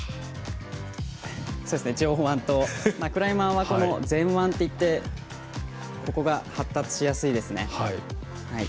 上腕と、クライマーは前腕っていって、ここが発達しやすいですね。